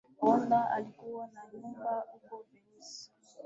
Rhonda alikuwa na nyumba huko Venice